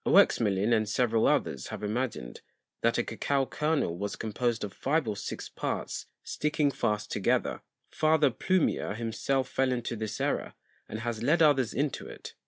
[k]_Oexmelin_ and several others have imagined, that a Cocao Kernel was composed of five or six Parts sticking fast together; Father Plumier himself fell into this Error, and has led others into it[l].